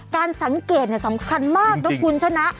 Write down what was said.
การสังเกตเนี่ยสำคัญมากจริงจริงแล้วคุณชนะ